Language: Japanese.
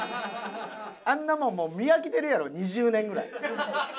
あんなもんもう見飽きてるやろ２０年ぐらい。